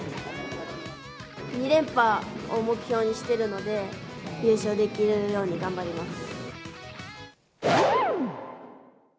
２連覇を目標にしてるので、優勝できるように頑張ります。